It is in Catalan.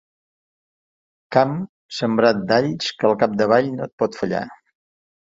Camp sembrat d'alls que al capdavall no et pot fallar.